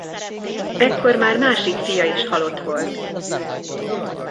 Ekkor már másik fia is halott volt.